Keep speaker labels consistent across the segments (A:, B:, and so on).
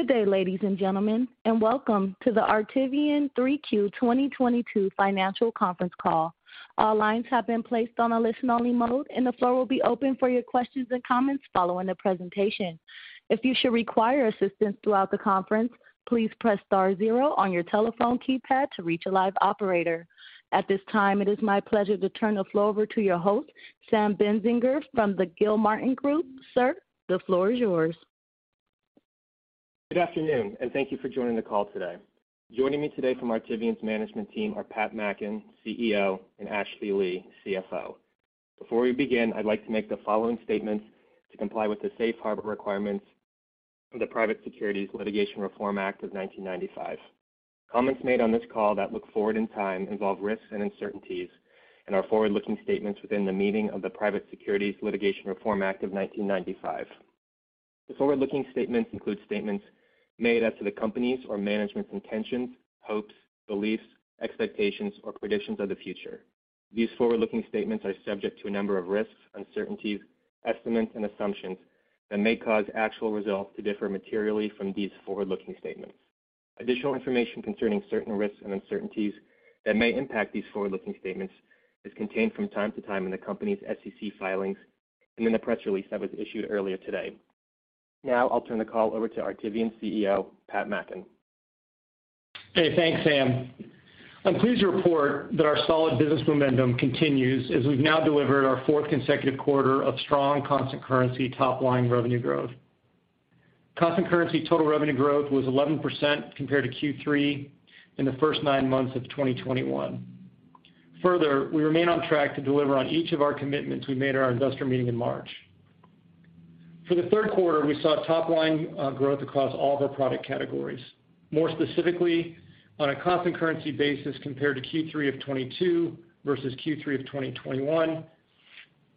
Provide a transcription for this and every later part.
A: Good day, ladies and gentlemen, and welcome to the Artivion 3Q 2022 financial conference call. All lines have been placed on a listen-only mode, and the floor will be open for your questions and comments following the presentation. If you should require assistance throughout the conference, please press star zero on your telephone keypad to reach a live operator. At this time, it is my pleasure to turn the floor over to your host, Sam Benzinger from the Gilmartin Group. Sir, the floor is yours.
B: Good afternoon and thank you for joining the call today. Joining me today from Artivion's management team are Pat Mackin, CEO, and Ashley Lee, CFO. Before we begin, I'd like to make the following statements to comply with the safe harbor requirements of the Private Securities Litigation Reform Act of 1995. Comments made on this call that look forward in time involve risks and uncertainties and are forward-looking statements within the meaning of the Private Securities Litigation Reform Act of 1995. The forward-looking statements include statements made as to the company's or management's intentions, hopes, beliefs, expectations, or predictions of the future. These forward-looking statements are subject to a number of risks, uncertainties, estimates, and assumptions that may cause actual results to differ materially from these forward-looking statements. Additional information concerning certain risks and uncertainties that may impact these forward-looking statements is contained from time to time in the company's SEC filings and in the press release that was issued earlier today. Now I'll turn the call over to Artivion CEO, Pat Mackin.
C: Okay, thanks, Sam. I'm pleased to report that our solid business momentum continues as we've now delivered our fourth consecutive quarter of strong constant currency top-line revenue growth. Constant currency total revenue growth was 11% compared to Q3 in the first nine months of 2021. Further, we remain on track to deliver on each of our commitments we made at our investor meeting in March. For the third quarter, we saw top line growth across all of our product categories. More specifically, on a constant currency basis compared to Q3 of 2022 versus Q3 of 2021,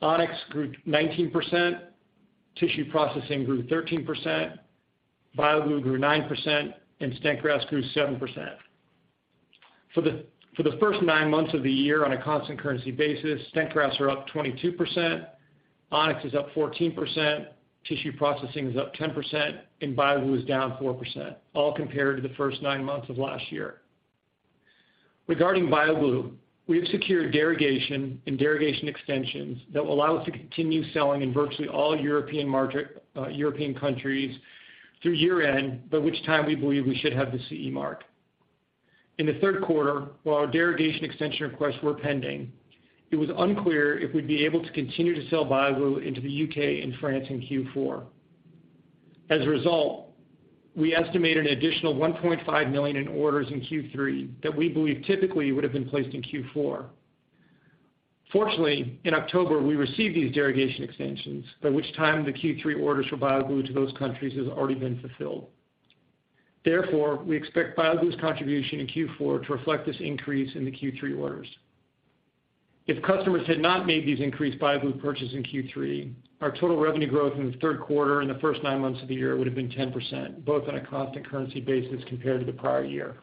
C: On-X grew 19%, tissue processing grew 13%, BioGlue grew 9%, and stent grafts grew 7%. For the first nine months of the year on a constant currency basis, stent grafts are up 22%, On-X is up 14%, tissue processing is up 10%, and BioGlue is down 4%, all compared to the first nine months of last year. Regarding BioGlue, we have secured derogation and derogation extensions that will allow us to continue selling in virtually all European countries through year-end, by which time we believe we should have the CE mark. In the third quarter, while our derogation extension requests were pending, it was unclear if we'd be able to continue to sell BioGlue into the U.K. and France in Q4. As a result, we estimated an additional $1.5 million in orders in Q3 that we believe typically would have been placed in Q4. Fortunately, in October, we received these derogation extensions, by which time the Q3 orders for BioGlue to those countries has already been fulfilled. Therefore, we expect BioGlue's contribution in Q4 to reflect this increase in the Q3 orders. If customers had not made these increased BioGlue purchases in Q3, our total revenue growth in the third quarter and the first nine months of the year would have been 10%, both on a constant currency basis compared to the prior year.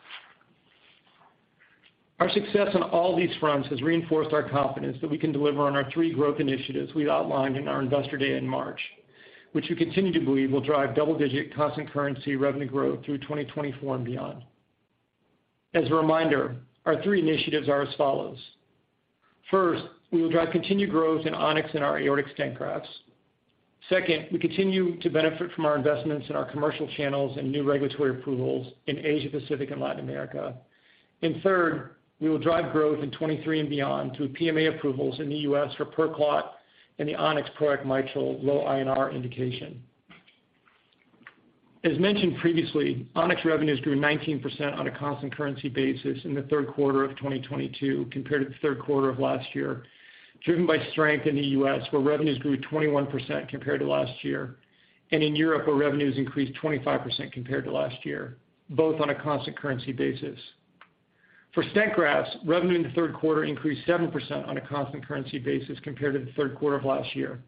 C: Our success on all these fronts has reinforced our confidence that we can deliver on our three growth initiatives we outlined in our investor day in March, which we continue to believe will drive double-digit constant currency revenue growth through 2024 and beyond. As a reminder, our three initiatives are as follows. First, we will drive continued growth in On-X and our aortic stent grafts. Second, we continue to benefit from our investments in our commercial channels and new regulatory approvals in Asia Pacific and Latin America. Third, we will drive growth in 2023 and beyond through PMA approvals in the U.S. for PerClot and the On-X PROACT mitral low INR indication. As mentioned previously, On-X revenues grew 19% on a constant currency basis in the third quarter of 2022 compared to the third quarter of last year, driven by strength in the U.S., where revenues grew 21% compared to last year, and in Europe, where revenues increased 25% compared to last year, both on a constant currency basis. For stent grafts, revenue in the third quarter increased 7% on a constant currency basis compared to the third quarter of last year.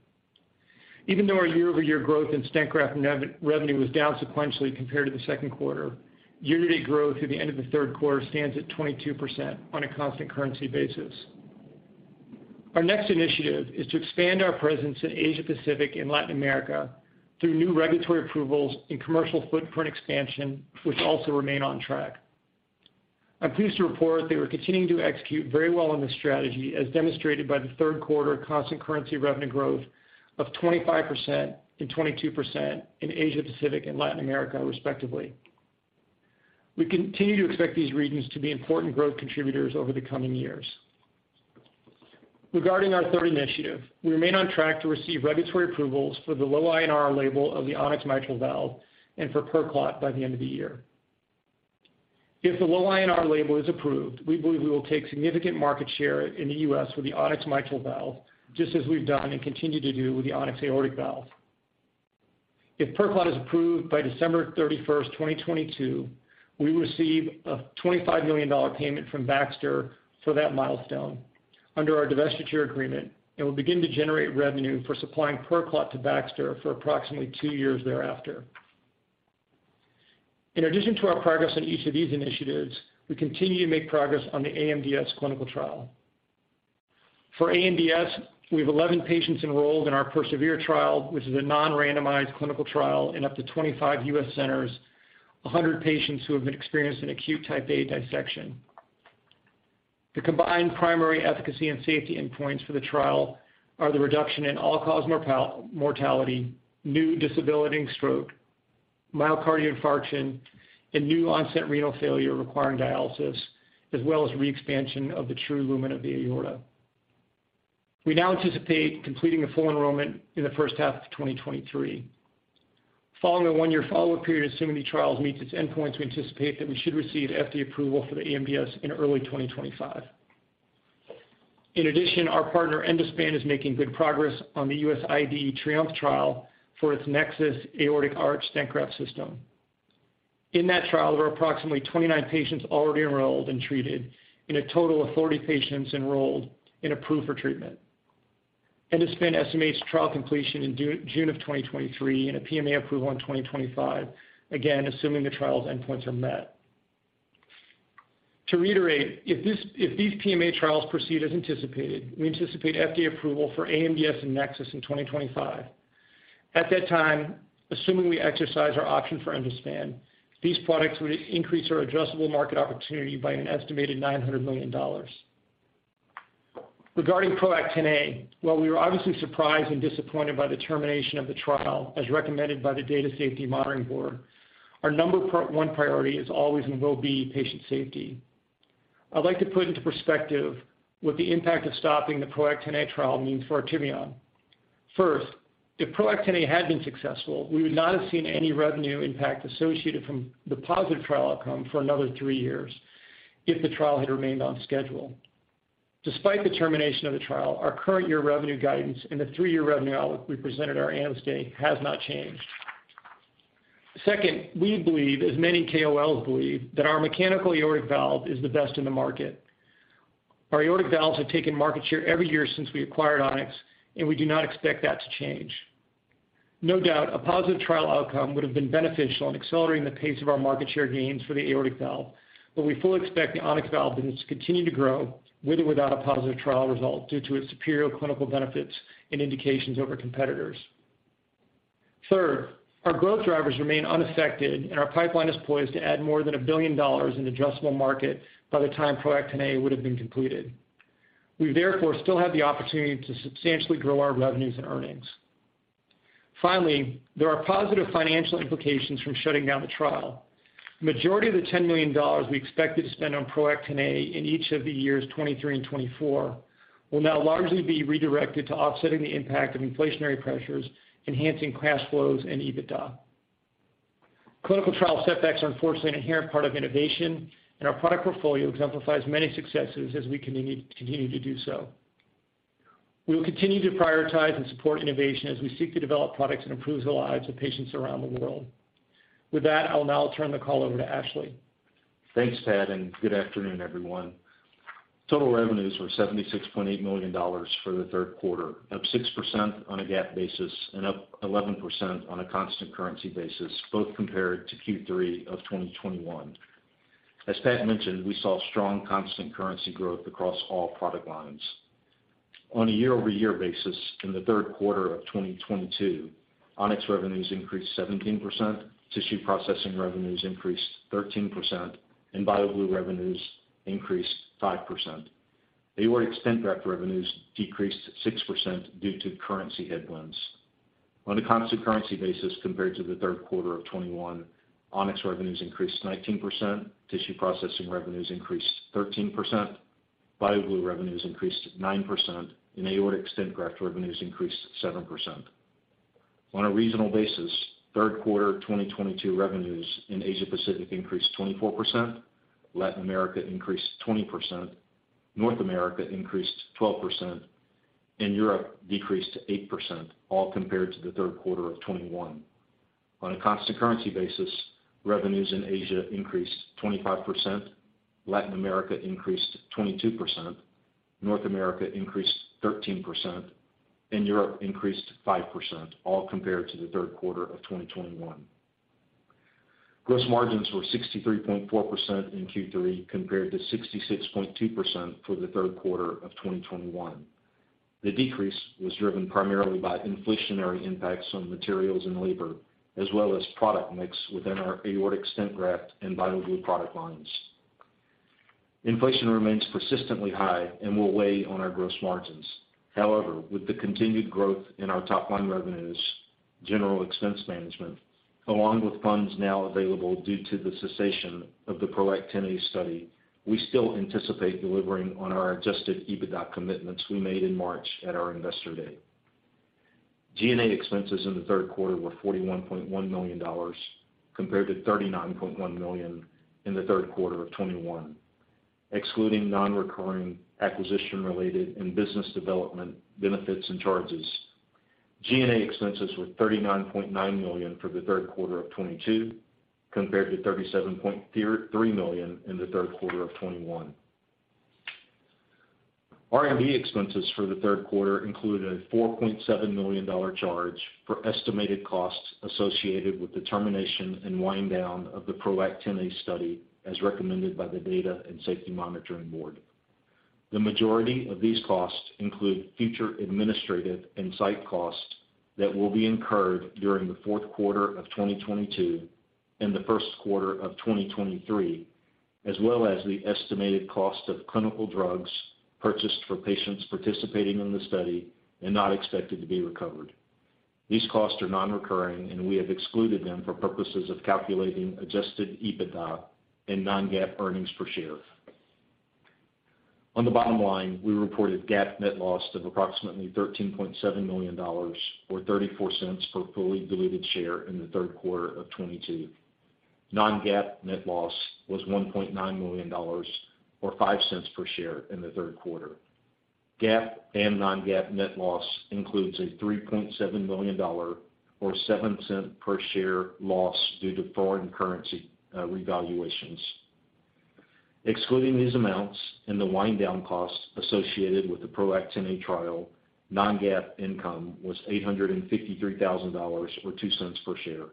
C: Even though our year-over-year growth in stent graft revenue was down sequentially compared to the second quarter, year-to-date growth through the end of the third quarter stands at 22% on a constant currency basis. Our next initiative is to expand our presence in Asia Pacific and Latin America through new regulatory approvals and commercial footprint expansion, which also remain on track. I'm pleased to report that we're continuing to execute very well on this strategy as demonstrated by the third quarter constant currency revenue growth of 25% and 22% in Asia Pacific and Latin America, respectively. We continue to expect these regions to be important growth contributors over the coming years. Regarding our third initiative, we remain on track to receive regulatory approvals for the low INR label of the On-X mitral valve and for PerClot by the end of the year. If the low INR label is approved, we believe we will take significant market share in the U.S. with the On-X mitral valve, just as we've done and continue to do with the On-X aortic valve. If PerClot is approved by December 31, 2022, we will receive a $25 million payment from Baxter for that milestone under our divestiture agreement, and will begin to generate revenue for supplying PerClot to Baxter for approximately two years thereafter. In addition to our progress on each of these initiatives, we continue to make progress on the AMDS clinical trial. For AMDS, we have 11 patients enrolled in our PERSEVERE trial, which is a non-randomized clinical trial in up to 25 U.S. centers, 100 patients who have been experiencing acute type A dissection. The combined primary efficacy and safety endpoints for the trial are the reduction in all-cause mortality, new debilitating stroke, myocardial infarction, and new onset renal failure requiring dialysis, as well as re-expansion of the true lumen of the aorta. We now anticipate completing the full enrollment in the first half of 2023. Following a one-year follow-up period, assuming the trials meets its endpoints, we anticipate that we should receive FDA approval for the AMDS in early 2025. In addition, our partner Endospan is making good progress on the U.S. IDE TRIOMPHE trial for its NEXUS aortic arch stent graft system. In that trial, there are approximately 29 patients already enrolled and treated in a total of 40 patients enrolled and approved for treatment. Endospan estimates trial completion in June of 2023 and a PMA approval in 2025, again, assuming the trial's endpoints are met. To reiterate, if these PMA trials proceed as anticipated, we anticipate FDA approval for AMDS and NEXUS in 2025. At that time, assuming we exercise our option for Endospan, these products would increase our addressable market opportunity by an estimated $900 million. Regarding PROACT, while we were obviously surprised and disappointed by the termination of the trial as recommended by the Data Safety Monitoring Board, our number one priority is always and will be patient safety. I'd like to put into perspective what the impact of stopping the PROACT trial means for Artivion. First, if PROACT had been successful, we would not have seen any revenue impact associated from the positive trial outcome for another three years if the trial had remained on schedule. Despite the termination of the trial, our current year revenue guidance and the three-year revenue outlook we presented at our Analyst Day has not changed. Second, we believe, as many KOLs believe, that our mechanical aortic valve is the best in the market. Our aortic valves have taken market share every year since we acquired On-X, and we do not expect that to change. No doubt, a positive trial outcome would have been beneficial in accelerating the pace of our market share gains for the aortic valve, but we fully expect the On-X valve business to continue to grow with or without a positive trial result due to its superior clinical benefits and indications over competitors. Third, our growth drivers remain unaffected, and our pipeline is poised to add more than $1 billion in addressable market by the time PROACT would have been completed. We therefore still have the opportunity to substantially grow our revenues and earnings. Finally, there are positive financial implications from shutting down the trial. Majority of the $10 million we expected to spend on PROACT in each of the years 2023 and 2024 will now largely be redirected to offsetting the impact of inflationary pressures, enhancing cash flows and EBITDA. Clinical trial setbacks are unfortunately an inherent part of innovation, and our product portfolio exemplifies many successes as we continue to do so. We will continue to prioritize and support innovation as we seek to develop products that improves the lives of patients around the world. With that, I will now turn the call over to Ashley.
D: Thanks, Pat, and good afternoon, everyone. Total revenues were $76.8 million for the third quarter, up 6% on a GAAP basis and up 11% on a constant currency basis, both compared to Q3 of 2021. As Pat mentioned, we saw strong constant currency growth across all product lines. On a year-over-year basis in the third quarter of 2022, On-X revenues increased 17%, tissue processing revenues increased 13%, and BioGlue revenues increased 5%. Aortic stent graft revenues decreased 6% due to currency headwinds. On a constant currency basis compared to the third quarter of 2021, On-X revenues increased 19%, tissue processing revenues increased 13%, BioGlue revenues increased 9%, and aortic stent graft revenues increased 7%. On a regional basis, third quarter 2022 revenues in Asia Pacific increased 24%, Latin America increased 20%, North America increased 12%, and Europe decreased 8%, all compared to the third quarter of 2021. On a constant currency basis, revenues in Asia increased 25%, Latin America increased 22%, North America increased 13%, and Europe increased 5%, all compared to the third quarter of 2021. Gross margins were 63.4% in Q3 compared to 66.2% for the third quarter of 2021. The decrease was driven primarily by inflationary impacts on materials and labor, as well as product mix within our aortic stent graft and BioGlue product lines. Inflation remains persistently high and will weigh on our gross margins. However, with the continued growth in our top-line revenues, general expense management, along with funds now available due to the cessation of the PROACT study, we still anticipate delivering on our adjusted EBITDA commitments we made in March at our Investor Day. G&A expenses in the third quarter were $41.1 million compared to $39.1 million in the third quarter of 2021. Excluding non-recurring acquisition-related and business development benefits and charges, G&A expenses were $39.9 million for the third quarter of 2022 compared to $37.3 million in the third quarter of 2021. R&D expenses for the third quarter included a $4.7 million charge for estimated costs associated with the termination and wind down of the PROACT study as recommended by the Data and Safety Monitoring Board. The majority of these costs include future administrative and site costs that will be incurred during the fourth quarter of 2022 and the first quarter of 2023, as well as the estimated cost of clinical drugs purchased for patients participating in the study and not expected to be recovered. These costs are non-recurring, and we have excluded them for purposes of calculating adjusted EBITDA and non-GAAP earnings per share. On the bottom line, we reported GAAP net loss of approximately $13.7 million or $0.34 per fully diluted share in the third quarter of 2022. Non-GAAP net loss was $1.9 million or $0.05 per share in the third quarter. GAAP and non-GAAP net loss includes a $3.7 million or $0.07 per share loss due to foreign currency revaluations. Excluding these amounts and the wind down costs associated with the PROACT Xa trial, non-GAAP income was $853,000 or $0.02 per share.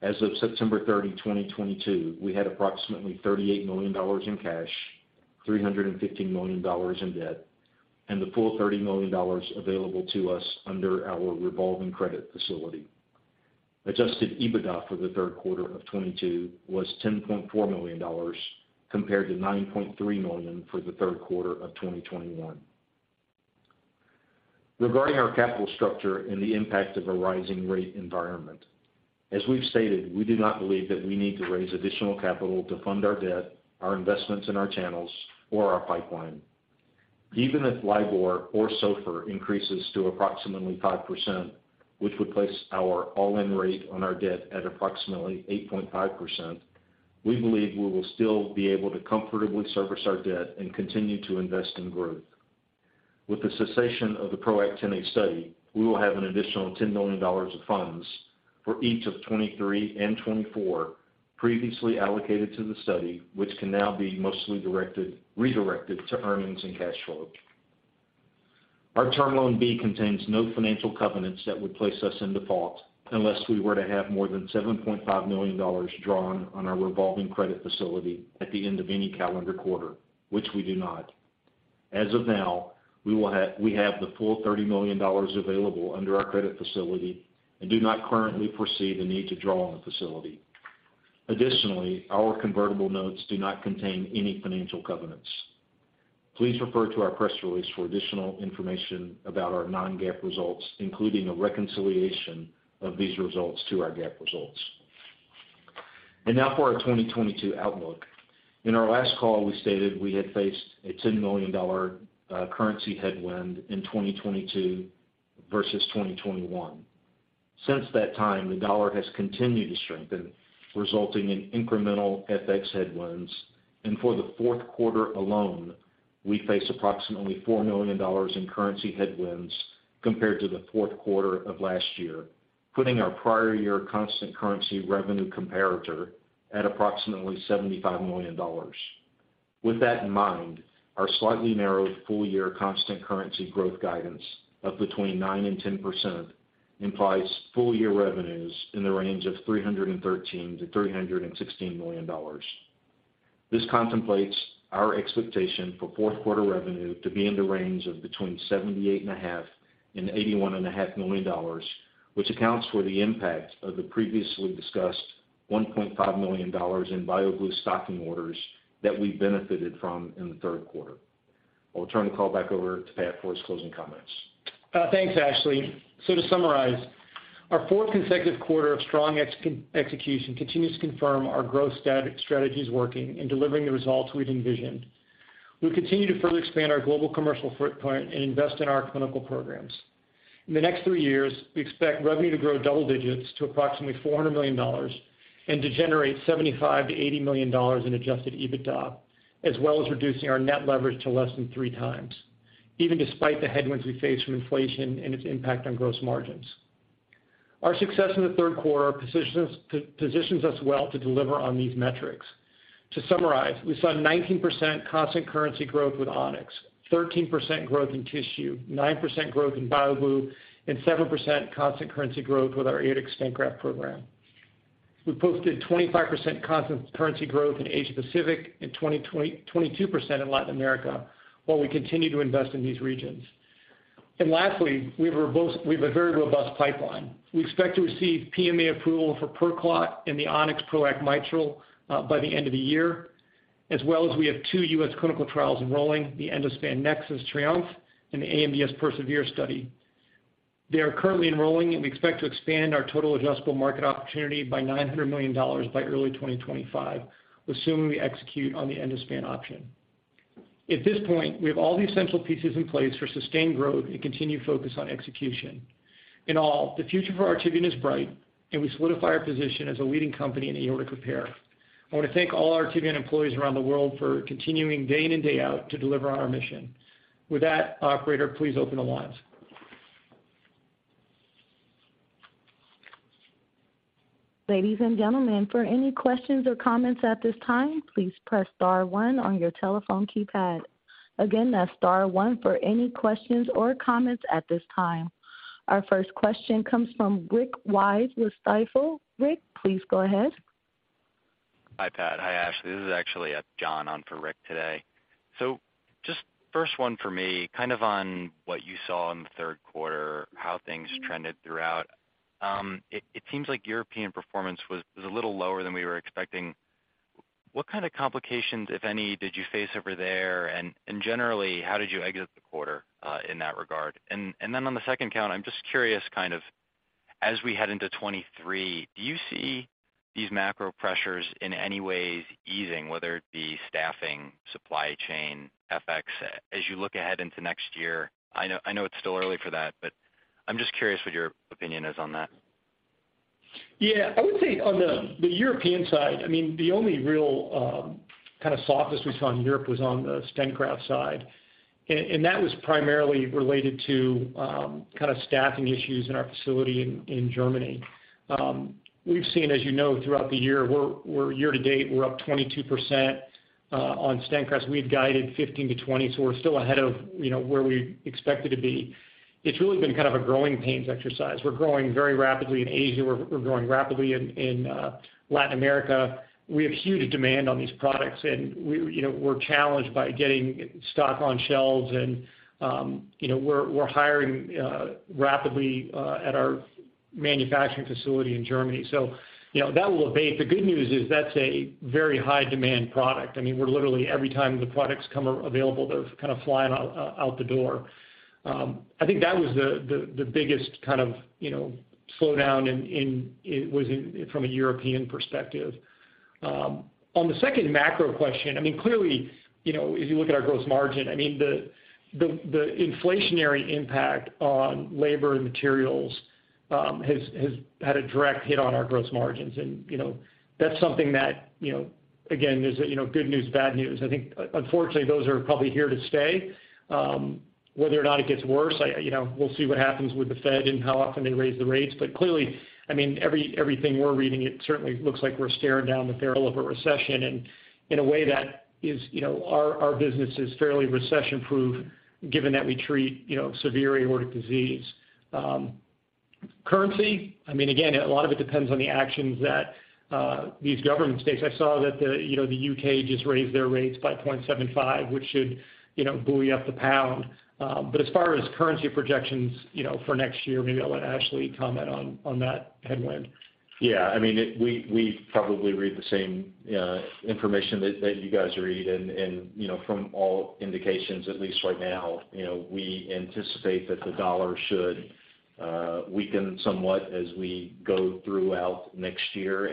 D: As of September 30, 2022, we had approximately $38 million in cash, $315 million in debt, and the full $30 million available to us under our revolving credit facility. Adjusted EBITDA for the third quarter of 2022 was $10.4 million compared to $9.3 million for the third quarter of 2021. Regarding our capital structure and the impact of a rising rate environment, as we've stated, we do not believe that we need to raise additional capital to fund our debt, our investments in our channels or our pipeline. Even if LIBOR or SOFR increases to approximately 5%, which would place our all-in rate on our debt at approximately 8.5%, we believe we will still be able to comfortably service our debt and continue to invest in growth. With the cessation of the PROACT Xa study, we will have an additional $10 million of funds for each of 2023 and 2024 previously allocated to the study, which can now be mostly redirected to earnings and cash flow. Our Term Loan B contains no financial covenants that would place us in default unless we were to have more than $7.5 million drawn on our revolving credit facility at the end of any calendar quarter, which we do not. As of now, we have the full $30 million available under our credit facility and do not currently foresee the need to draw on the facility. Additionally, our convertible notes do not contain any financial covenants. Please refer to our press release for additional information about our non-GAAP results, including a reconciliation of these results to our GAAP results. Now for our 2022 outlook. In our last call, we stated we had faced a $10 million currency headwind in 2022 versus 2021. Since that time, the dollar has continued to strengthen, resulting in incremental FX headwinds. For the fourth quarter alone, we face approximately $4 million in currency headwinds compared to the fourth quarter of last year, putting our prior year constant currency revenue comparator at approximately $75 million. With that in mind, our slightly narrowed full year constant currency growth guidance of 9%-10% implies full year revenues in the range of $313 million-$316 million. This contemplates our expectation for fourth quarter revenue to be in the range of between $78.5 million and $81.5 million, which accounts for the impact of the previously discussed $1.5 million in BioGlue stocking orders that we benefited from in the third quarter. I'll turn the call back over to Pat for his closing comments.
C: Thanks, Ashley. To summarize, our fourth consecutive quarter of strong execution continues to confirm our growth strategy is working and delivering the results we've envisioned. We continue to further expand our global commercial footprint and invest in our clinical programs. In the next three years, we expect revenue to grow double digits to approximately $400 million and to generate $75 million-$80 million in adjusted EBITDA, as well as reducing our net leverage to less than 3x, even despite the headwinds we face from inflation and its impact on gross margins. Our success in the third quarter positions us well to deliver on these metrics. To summarize, we saw 19% constant currency growth with On-X, 13% growth in tissue, 9% growth in BioGlue, and 7% constant currency growth with our aortic stent graft program. We posted 25% constant currency growth in Asia Pacific and 22% in Latin America, while we continue to invest in these regions. Lastly, we have a very robust pipeline. We expect to receive PMA approval for PerClot and the On-X PROACT mitral by the end of the year, as well as we have two U.S. clinical trials enrolling the Endospan NEXUS TRIOMPHE and the AMDS PERSEVERE study. They are currently enrolling, and we expect to expand our total addressable market opportunity by $900 million by early 2025, assuming we execute on the Endospan option. At this point, we have all the essential pieces in place for sustained growth and continued focus on execution. In all, the future for Artivion is bright, and we solidify our position as a leading company in aortic repair. I want to thank all Artivion employees around the world for continuing day in and day out to deliver on our mission. With that, operator, please open the lines.
A: Ladies and gentlemen, for any questions or comments at this time, please press star one on your telephone keypad. Again, that's star one for any questions or comments at this time. Our first question comes from Rick Wise with Stifel. Rick, please go ahead.
E: Hi, Pat. Hi, Ashley. This is actually John on for Rick today. So just first one for me, kind of on what you saw in the third quarter, how things trended throughout. It seems like European performance was a little lower than we were expecting. What kind of complications, if any, did you face over there? And generally, how did you exit the quarter in that regard? And then on the second count, I'm just curious kind of as we head into 2023, do you see these macro pressures in any ways easing, whether it be staffing, supply chain, FX, as you look ahead into next year? I know it's still early for that, but I'm just curious what your opinion is on that.
C: Yeah. I would say on the European side, I mean, the only real kind of softness we saw in Europe was on the stent graft side. That was primarily related to kind of staffing issues in our facility in Germany. We've seen as you know throughout the year-to-date, we're up 22% on stent graft. We had guided 15%-20%, so we're still ahead of you know, where we expected to be. It's really been kind of a growing pains exercise. We're growing very rapidly in Asia. We're growing rapidly in Latin America. We have huge demand on these products, and you know, we're challenged by getting stock on shelves and you know, we're hiring rapidly at our manufacturing facility in Germany. You know, that will abate. The good news is that's a very high demand product. I mean, we're literally every time the products come available, they're kind of flying out the door. I think that was the biggest kind of, you know, slowdown in it from a European perspective. On the second macro question, I mean, clearly, you know, if you look at our gross margin, I mean, the inflationary impact on labor and materials has had a direct hit on our gross margins. You know, that's something that, you know, again, there's a good news, bad news. I think unfortunately those are probably here to stay. Whether or not it gets worse, you know, we'll see what happens with the Fed and how often they raise the rates. Clearly, I mean, everything we're reading, it certainly looks like we're staring down the barrel of a recession. In a way that is, you know, our business is fairly recession-proof given that we treat, you know, severe aortic disease. Currency, I mean, again, a lot of it depends on the actions that these governments and states. I saw that the, you know, the U.K. just raised their rates by 0.75, which should, you know, buoy up the pound. As far as currency projections, you know, for next year, maybe I'll let Ashley comment on that headwind.
D: Yeah, I mean, we probably read the same information that you guys read. You know, from all indications, at least right now, you know, we anticipate that the dollar should weaken somewhat as we go throughout next year.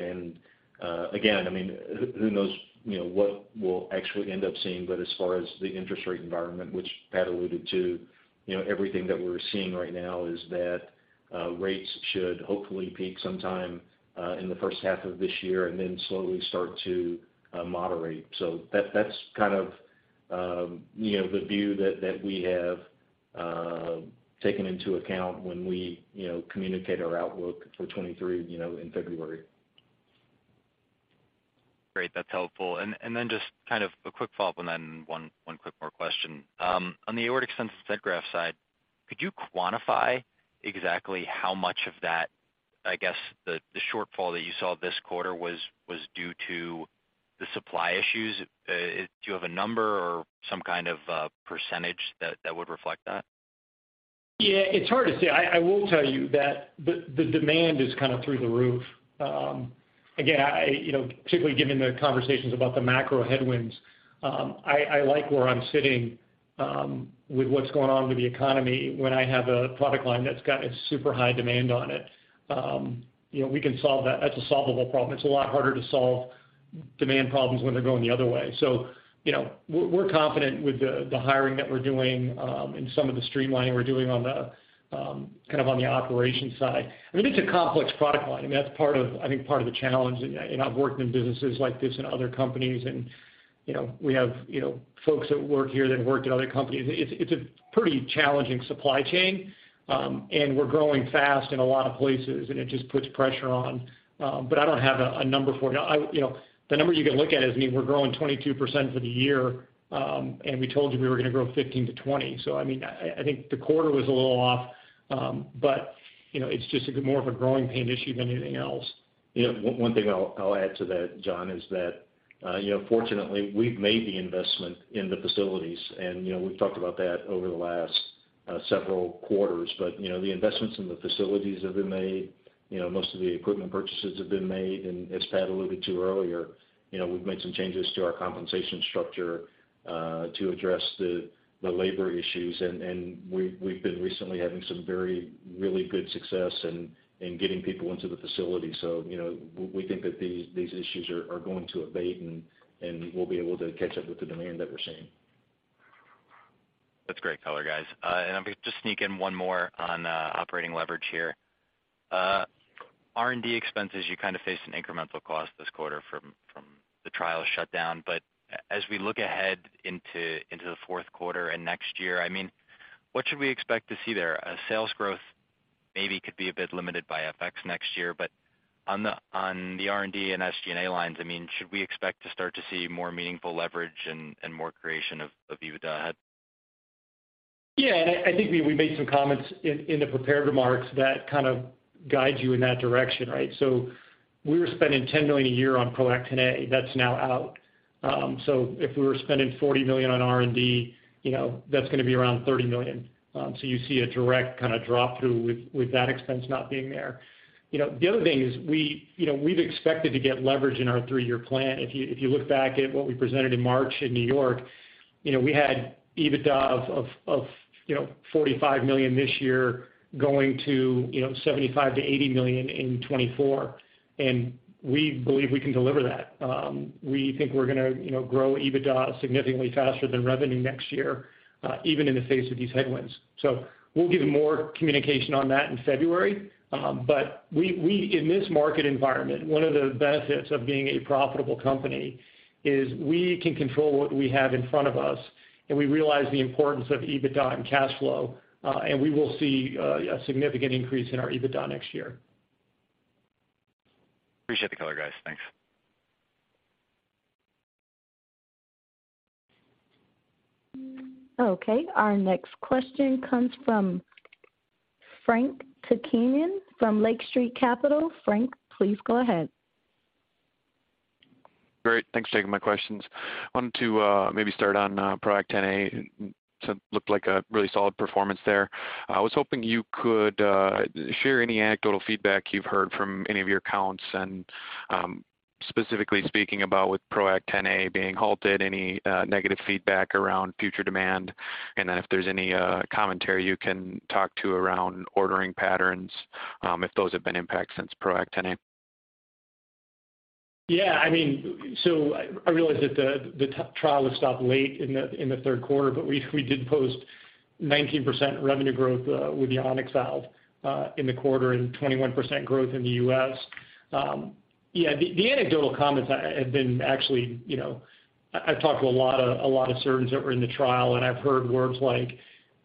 D: Again, I mean, who knows, you know, what we'll actually end up seeing. As far as the interest rate environment, which Pat alluded to, you know, everything that we're seeing right now is that rates should hopefully peak sometime in the first half of this year and then slowly start to moderate. That's kind of, you know, the view that we have taken into account when we, you know, communicate our outlook for 2023, you know, in February.
E: Great. That's helpful. Then just kind of a quick follow-up on that and one quick more question. On the aortic stent graft side, could you quantify exactly how much of that, I guess, the shortfall that you saw this quarter was due to the supply issues? Do you have a number or some kind of percentage that would reflect that?
C: Yeah, it's hard to say. I will tell you that the demand is kind of through the roof. Again, you know, particularly given the conversations about the macro headwinds, I like where I'm sitting with what's going on with the economy when I have a product line that's got a super high demand on it. You know, we can solve that. That's a solvable problem. It's a lot harder to solve demand problems when they're going the other way. You know, we're confident with the hiring that we're doing and some of the streamlining we're doing on the kind of on the operations side. I mean, it's a complex product line. I mean, that's part of, I think, part of the challenge. I've worked in businesses like this in other companies and, you know, we have, you know, folks that work here that have worked at other companies. It's a pretty challenging supply chain. We're growing fast in a lot of places, and it just puts pressure on. But I don't have a number for you. You know, the number you can look at is, I mean, we're growing 22% for the year. We told you we were gonna grow 15%-20%. I mean, I think the quarter was a little off. But, you know, it's just more of a growing pain issue than anything else.
D: You know, one thing I'll add to that, John, is that, you know, fortunately, we've made the investment in the facilities. You know, we've talked about that over the last several quarters. You know, the investments in the facilities have been made. You know, most of the equipment purchases have been made. As Pat alluded to earlier, you know, we've made some changes to our compensation structure to address the labor issues. We've been recently having some very good success in getting people into the facility. You know, we think that these issues are going to abate, and we'll be able to catch up with the demand that we're seeing.
E: That's great color, guys. Let me just sneak in one more on operating leverage here. R&D expenses, you kind of faced an incremental cost this quarter from the trial shutdown. As we look ahead into the fourth quarter and next year, I mean, what should we expect to see there? Sales growth maybe could be a bit limited by FX next year. On the R&D and SG&A lines, I mean, should we expect to start to see more meaningful leverage and more creation of EBITDA ahead?
C: Yeah, I think we made some comments in the prepared remarks that kind of guide you in that direction, right? We were spending $10 million a year on On-X PROACT. That's now out. If we were spending $40 million on R&D, you know, that's gonna be around $30 million. You see a direct kind of drop-through with that expense not being there. You know, the other thing is we've expected to get leverage in our three-year plan. If you look back at what we presented in March in New York, you know, we had EBITDA of $45 million this year going to $75 million-$80 million in 2024, and we believe we can deliver that. We think we're gonna, you know, grow EBITDA significantly faster than revenue next year, even in the face of these headwinds. We'll give more communication on that in February. In this market environment, one of the benefits of being a profitable company is we can control what we have in front of us, and we realize the importance of EBITDA and cash flow, and we will see a significant increase in our EBITDA next year.
E: Appreciate the color, guys. Thanks.
A: Okay, our next question comes from Frank Takkinen from Lake Street Capital. Frank, please go ahead.
F: Great. Thanks for taking my questions. Wanted to maybe start on PRO ACT Xa. It looked like a really solid performance there. I was hoping you could share any anecdotal feedback you've heard from any of your accounts and, specifically speaking about with PROACT Xa being halted, any negative feedback around future demand. If there's any commentary you can talk to around ordering patterns, if those have been impacted since PROACT Xa.
C: Yeah, I mean, I realize that the trial was stopped late in the third quarter, but we did post 19% revenue growth with the On-X valve in the quarter and 21% growth in the U.S. The anecdotal comments have been actually. I've talked to a lot of surgeons that were in the trial, and I've heard words like,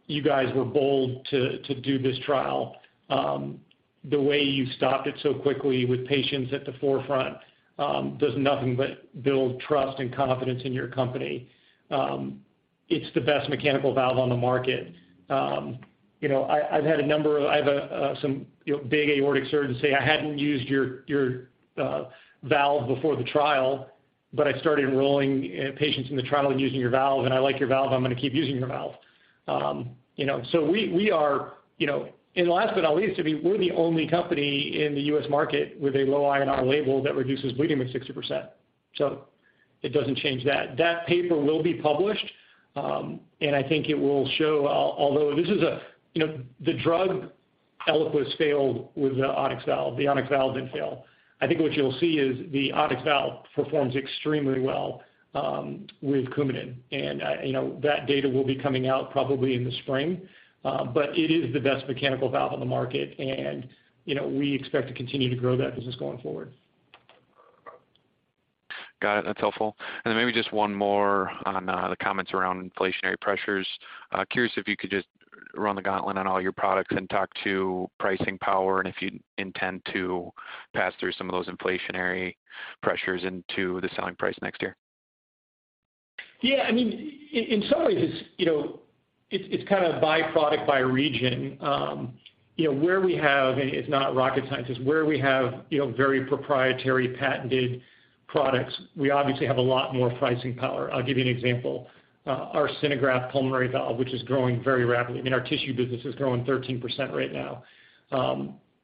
C: "You guys were bold to do this trial. The way you stopped it so quickly with patients at the forefront does nothing but build trust and confidence in your company. It's the best mechanical valve on the market." You know, I've had some, you know, big aortic surgeons say, "I hadn't used your valve before the trial, but I started enrolling patients in the trial and using your valve, and I like your valve. I'm gonna keep using your valve." Last but not least, I mean, we're the only company in the U.S. market with a low INR label that reduces bleeding by 60%, so it doesn't change that. That paper will be published, and I think it will show. Although, you know, the drug Eliquis failed with the On-X valve, the On-X valve didn't fail. I think what you'll see is the On-X valve performs extremely well with Coumadin. you know, that data will be coming out probably in the spring. It is the best mechanical valve on the market and, you know, we expect to continue to grow that business going forward.
F: Got it. That's helpful. Then maybe just one more on the comments around inflationary pressures. Curious if you could just run the gauntlet on all your products and talk to pricing power and if you intend to pass through some of those inflationary pressures into the selling price next year.
C: Yeah, I mean, in some ways it's, you know, it's kind of by product, by region. You know, where we have and it's not rocket science, it's where we have, you know, very proprietary patented products, we obviously have a lot more pricing power. I'll give you an example. Our SynerGraft pulmonary valve, which is growing very rapidly. I mean, our tissue business is growing 13% right now.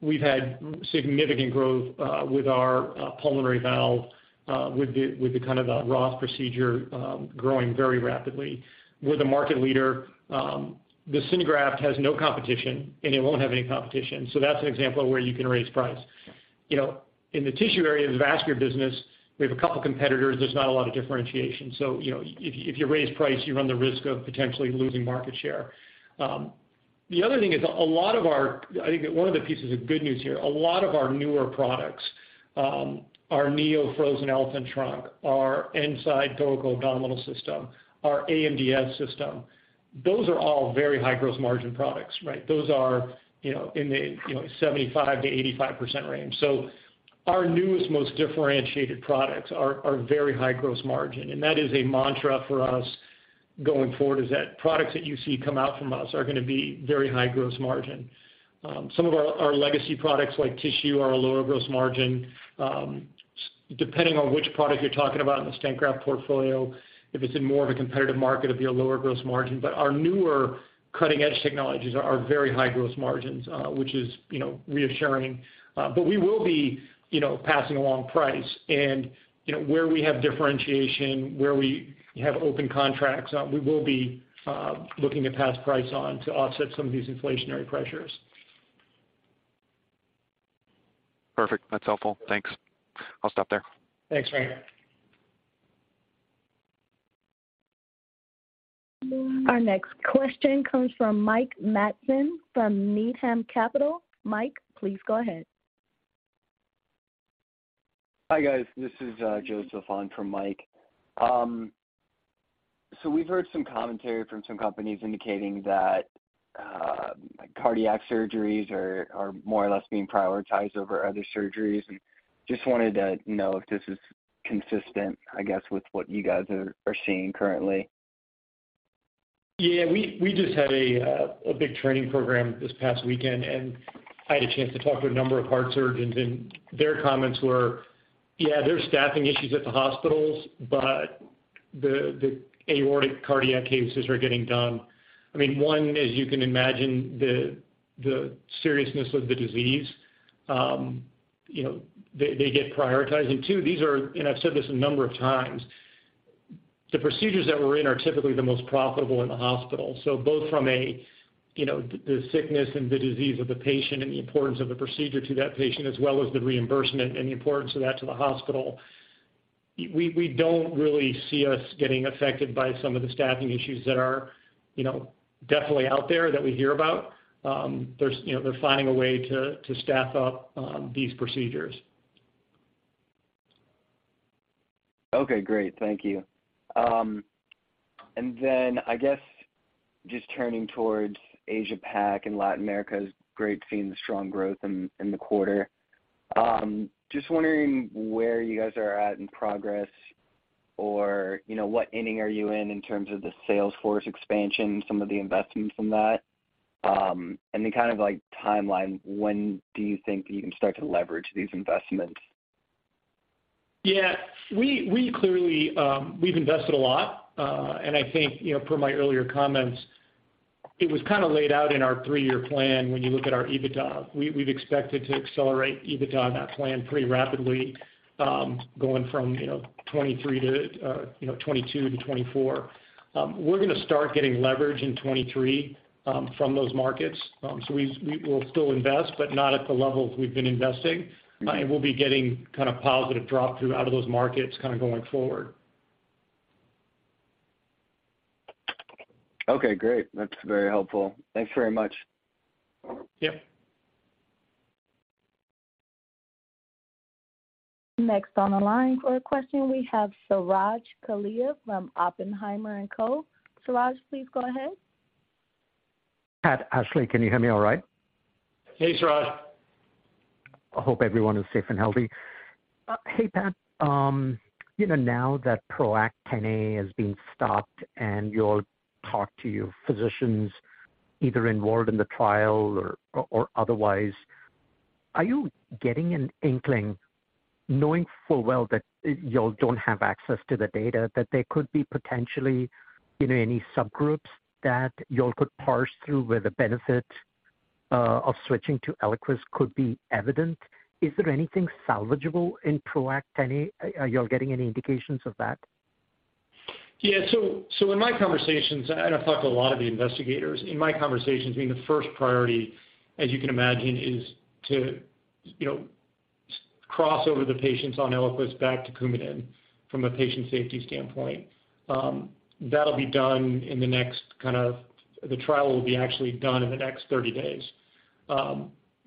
C: We've had significant growth with our pulmonary valve with the Ross procedure growing very rapidly. We're the market leader. The SynerGraft has no competition, and it won't have any competition. That's an example of where you can raise price. You know, in the tissue area of the vascular business, we have a couple competitors. There's not a lot of differentiation. You know, if you raise price, you run the risk of potentially losing market share. The other thing is a lot of our—I think one of the pieces of good news here, a lot of our newer products, our E-vita Open Neo frozen elephant trunk, our E-nside thoracoabdominal system, our AMDS system, those are all very high gross margin products, right? Those are, you know, in the 75%-85% range. Our newest, most differentiated products are very high gross margin, and that is a mantra for us going forward, is that products that you see come out from us are gonna be very high gross margin. Some of our legacy products like tissue are a lower gross margin. Depending on which product you're talking about in the stent graft portfolio, if it's in more of a competitive market, it'd be a lower gross margin. Our newer cutting-edge technologies are very high gross margins, which is, you know, reassuring. We will be, you know, passing along price and, you know, where we have differentiation, where we have open contracts, we will be looking to pass price on to offset some of these inflationary pressures.
F: Perfect. That's helpful. Thanks. I'll stop there.
C: Thanks, Frank.
A: Our next question comes from Mike Matson from Needham & Company. Mike, please go ahead.
G: Hi, guys. This is Joseph on from Mike. We've heard some commentary from some companies indicating that cardiac surgeries are more or less being prioritized over other surgeries. Just wanted to know if this is consistent, I guess, with what you guys are seeing currently.
C: Yeah. We just had a big training program this past weekend, and I had a chance to talk to a number of heart surgeons, and their comments were, yeah, there are staffing issues at the hospitals, but the aortic cardiac cases are getting done. I mean, one, as you can imagine, the seriousness of the disease, you know, they get prioritized. Two, these are, and I've said this a number of times, the procedures that we're in are typically the most profitable in the hospital. Both from a, you know, the sickness and the disease of the patient and the importance of the procedure to that patient as well as the reimbursement and the importance of that to the hospital, we don't really see us getting affected by some of the staffing issues that are, you know, definitely out there that we hear about. You know, they're finding a way to staff up these procedures.
G: Okay, great. Thank you. I guess just turning towards Asia Pac and Latin America, it's great seeing the strong growth in the quarter. Just wondering where you guys are at in progress or, you know, what inning are you in terms of the sales force expansion, some of the investments in that, any kind of, like, timeline, when do you think that you can start to leverage these investments?
C: Yeah. We clearly we've invested a lot. I think, you know, per my earlier comments, it was kind of laid out in our three-year plan when you look at our EBITDA. We've expected to accelerate EBITDA on that plan pretty rapidly, going from 2022 to 2024. We're gonna start getting leverage in 2023 from those markets. We will still invest, but not at the levels we've been investing. We'll be getting kind of positive drop through out of those markets kind of going forward.
G: Okay, great. That's very helpful. Thanks very much.
C: Yeah.
A: Next on the line for a question we have Suraj Kalia from Oppenheimer & Co. Suraj, please go ahead.
H: Pat, Ashley, can you hear me all right?
C: Hey, Suraj.
H: I hope everyone is safe and healthy. Hey, Pat. You know, now that PROACT Xa has been stopped and you'll talk to your physicians either involved in the trial or otherwise, are you getting an inkling knowing full well that y'all don't have access to the data, that there could be potentially, you know, any subgroups that y'all could parse through where the benefit of switching to Eliquis could be evident? Is there anything salvageable in PROACT Xa? Are y'all getting any indications of that?
C: Yeah. In my conversations, and I've talked to a lot of the investigators, in my conversations, I mean, the first priority, as you can imagine, is to, you know, cross over the patients on Eliquis back to Coumadin from a patient safety standpoint. That'll be done in the next 30 days.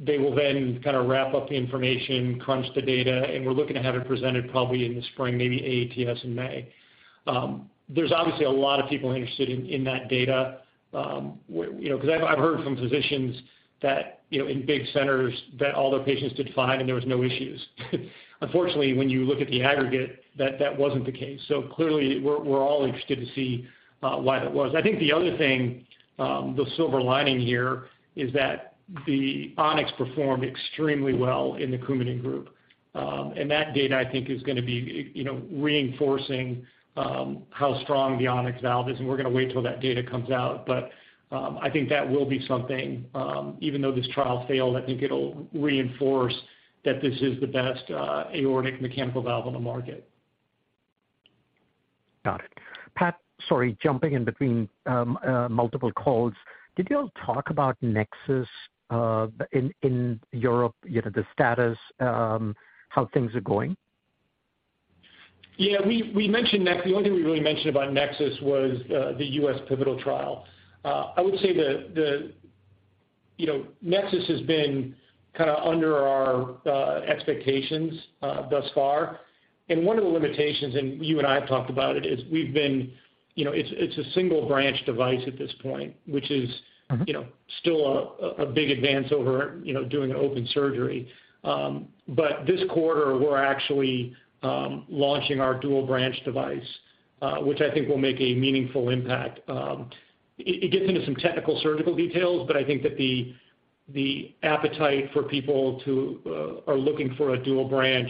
C: They will then wrap up the information, crunch the data, and we're looking to have it presented probably in the spring, maybe AATS in May. There's obviously a lot of people interested in that data, where you know, because I've heard from physicians that, you know, in big centers that all their patients did fine and there was no issues. Unfortunately, when you look at the aggregate, that wasn't the case. Clearly we're all interested to see why that was. I think the other thing, the silver lining here is that the On-X performed extremely well in the Coumadin group. And that data, I think is gonna be, you know, reinforcing how strong the On-X valve is, and we're gonna wait till that data comes out. I think that will be something even though this trial failed, I think it'll reinforce that this is the best aortic mechanical valve on the market.
H: Got it. Pat, sorry, jumping in between multiple calls. Did y'all talk about NEXUS in Europe? You know, the status, how things are going?
C: Yeah. We mentioned the only thing we really mentioned about NEXUS was the U.S. pivotal trial. I would say you know, NEXUS has been kind of under our expectations thus far. One of the limitations, and you and I have talked about it, is we've been you know, it's a single branch device at this point, which is
H: Mm-hmm
C: you know, still a big advance over, you know, doing an open surgery. This quarter we're actually launching our dual branch device, which I think will make a meaningful impact. It gets into some technical surgical details, but I think that the appetite for people who are looking for a dual branch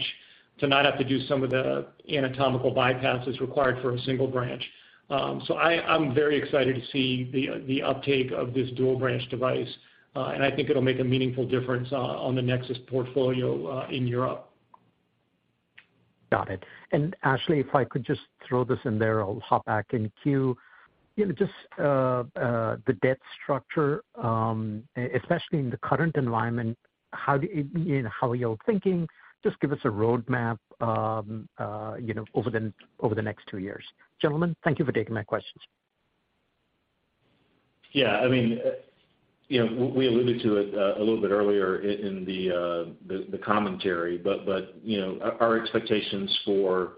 C: to not have to do some of the anatomical bypasses required for a single branch. I'm very excited to see the uptake of this dual branch device, and I think it'll make a meaningful difference on the NEXUS portfolio in Europe.
H: Got it. Ashley Lee, if I could just throw this in there, I'll hop back in queue. You know, just the debt structure, especially in the current environment, how are you all thinking? Just give us a roadmap, you know, over the next two years. Gentlemen, thank you for taking my questions.
D: Yeah. I mean, you know, we alluded to it a little bit earlier in the commentary, but you know, our expectations for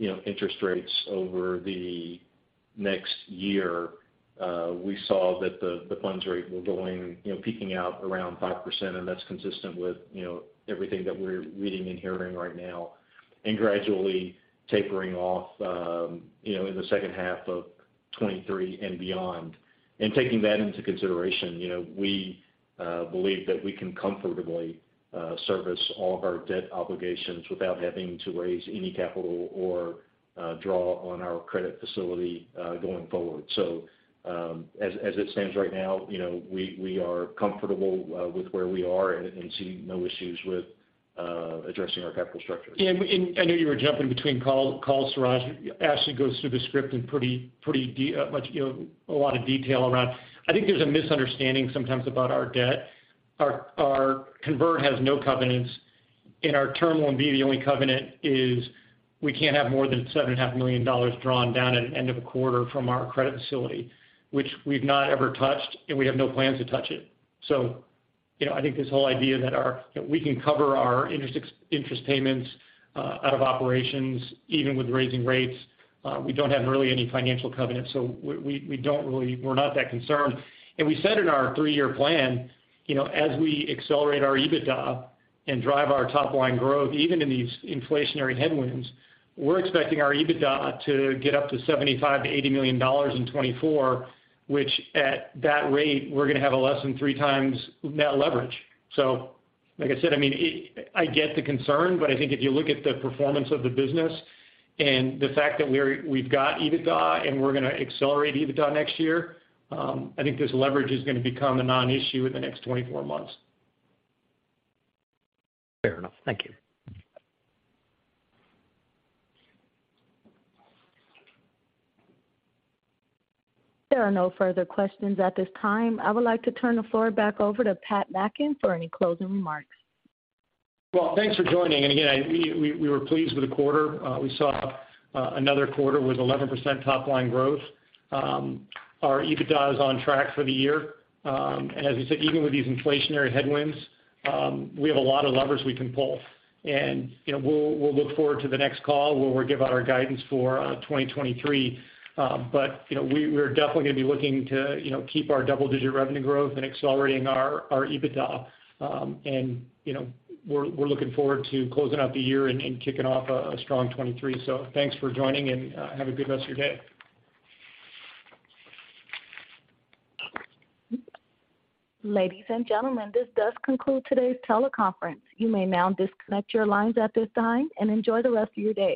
D: You know, interest rates over the next year, we saw that the funds rate were going, you know, peaking out around 5%, and that's consistent with, you know, everything that we're reading and hearing right now, and gradually tapering off, you know, in the second half of 2023 and beyond. Taking that into consideration, you know, we believe that we can comfortably service all of our debt obligations without having to raise any capital or draw on our credit facility going forward. As it stands right now, you know, we are comfortable with where we are and seeing no issues with addressing our capital structure.
C: Yeah, I know you were jumping between calls, Suraj. Ashley goes through the script in pretty much, you know, a lot of detail around. I think there's a misunderstanding sometimes about our debt. Our convert has no covenants. In our Term Loan B, the only covenant is we can't have more than $7.5 million drawn down at end of a quarter from our credit facility, which we've not ever touched, and we have no plans to touch it. You know, I think this whole idea that we can cover our interest expense payments out of operations, even with raising rates, we don't really have any financial covenants. We're not that concerned. We said in our three-year plan, you know, as we accelerate our EBITDA and drive our top-line growth, even in these inflationary headwinds, we're expecting our EBITDA to get up to $75 million-$80 million in 2024, which at that rate, we're gonna have a less than 3x net leverage. Like I said, I mean, I get the concern, but I think if you look at the performance of the business and the fact that we've got EBITDA, and we're gonna accelerate EBITDA next year, I think this leverage is gonna become a non-issue in the next 24 months.
H: Fair enough. Thank you.
A: There are no further questions at this time. I would like to turn the floor back over to Pat Mackin for any closing remarks.
C: Well, thanks for joining. Again, we were pleased with the quarter. We saw another quarter with 11% top-line growth. Our EBITDA is on track for the year. As you said, even with these inflationary headwinds, we have a lot of levers we can pull. You know, we'll look forward to the next call where we'll give out our guidance for 2023. You know, we're definitely gonna be looking to keep our double-digit revenue growth and accelerating our EBITDA. You know, we're looking forward to closing out the year and kicking off a strong 2023. Thanks for joining and have a good rest of your day.
A: Ladies and gentlemen, this does conclude today's teleconference. You may now disconnect your lines at this time and enjoy the rest of your day.